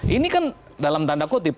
ini kan dalam tanda kutip